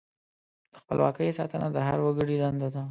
د خپلواکۍ ساتنه د هر وګړي دنده ده.